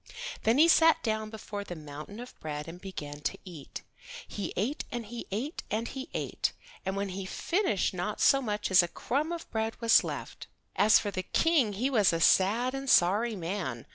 Then he sat down before the mountain of bread and began to eat. He ate and he ate, and he ate, and when he finished not so much as a crumb of bread was left. As for the King he was a sad and sorry man.